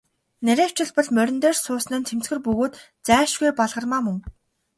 Нарийвчилбал, морин дээр суусан нь цэмцгэр бөгөөд зайлшгүй Балгармаа мөн.